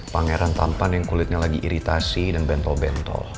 pangeran tampan yang kulitnya lagi iritasi dan bentol bentol